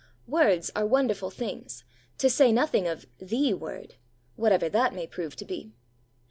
Words are wonderful things, to say nothing of 'the Word' whatever that may prove to be.